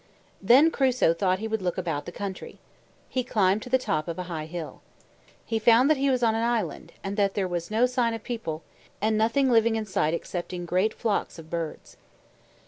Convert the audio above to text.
Then Crusoe thought he would look about the country. He climbed to the top of a high hill. He found that he was on an island, and that there was no sign of people, and nothing living in sight excepting great flocks of birds.